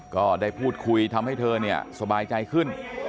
ก็ได้พูดคุยทำให้เธอเนี่ยสบายใจขึ้น